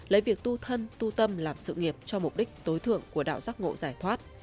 lấy việc tu thân tu tâm làm sự nghiệp cho mục đích tối thượng của đạo giác ngộ giải thoát